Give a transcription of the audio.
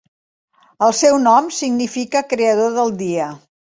El seu nom significa "creador del dia".